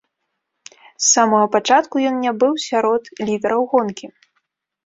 З самага пачатку ён не быў сярод лідараў гонкі.